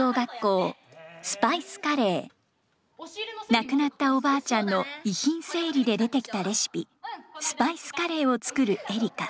亡くなったおばあちゃんの遺品整理で出てきたレシピスパイス・カレーを作るエリカ。